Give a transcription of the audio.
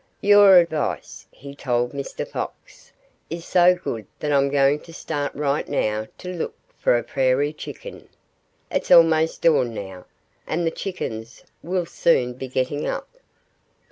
"Your advice," he told Mr. Fox, "is so good that I'm going to start right now to look for a Prairie Chicken. It's almost dawn now. And the Chickens will soon be getting up."